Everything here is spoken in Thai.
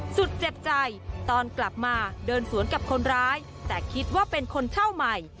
สุดเจ็บใจตอนกลับมาเดินสวนกับคนร้ายแต่คิดว่าเป็นคนเช่าใหม่